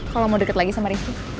kalo lo mau deket lagi sama riz